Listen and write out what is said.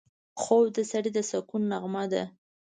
خوب د سړي د سکون نغمه ده